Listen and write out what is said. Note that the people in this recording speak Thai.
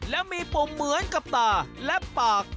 และมีปุ่มเหมือนกับตาและปาก